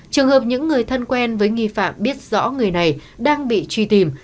trường hợp những người thân quen với nghi phạm biết rõ người này đang bị truy tìm